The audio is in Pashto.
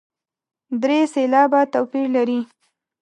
درې سېلابه توپیر لري.